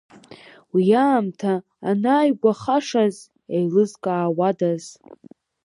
Уи аамҭа анааигәахашаз еилызкаауадаз.